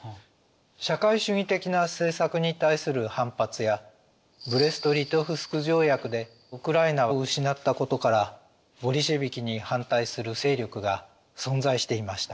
社会主義的な政策に対する反発やブレスト・リトフスク条約でウクライナを失ったことからボリシェヴィキに反対する勢力が存在していました。